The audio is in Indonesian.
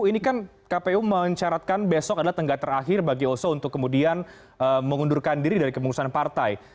ini kan kpu mencaratkan besok adalah tenggat terakhir bagi oso untuk kemudian mengundurkan diri dari kemurusan partai